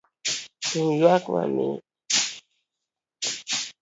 Thum yuak matek